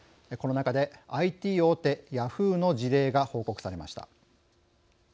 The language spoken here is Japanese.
この中でＩＴ大手ヤフーの事例が報告されました。